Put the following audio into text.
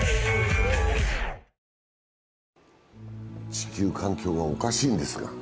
地球環境がおかしいんですが。